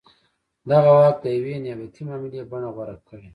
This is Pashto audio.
دغه واک د یوې نیابتي معاملې بڼه غوره کړې.